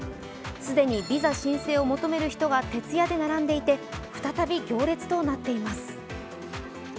既にビザ申請を求める人が徹夜で並んでいて、再び行列となっています。